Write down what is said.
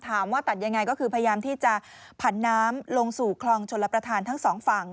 ถามว่าตัดยังไงก็คือพยายามที่จะผ่านน้ำลงสู่คลองชนระประธานทั้ง๒ฝั่ง